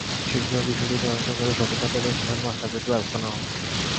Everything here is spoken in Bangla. শিগগিরই বিষয়টি তদন্ত করে সত্যতা পেলে স্টেশনমাস্টারের বিরুদ্ধে ব্যবস্থা নেওয়া হবে।